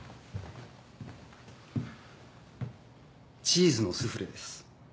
チーズのスフレです。